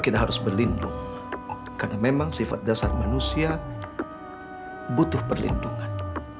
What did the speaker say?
kita harus berlindung karena memang sifat dasar manusia butuh perlindungan